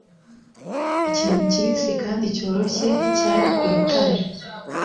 Ikintu kibisi kandi cyoroshye cyari ku rutare.